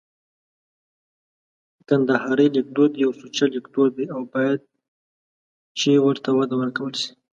کندهارۍ لیکدود یو سوچه لیکدود دی او باید چي ورته وده ورکول سي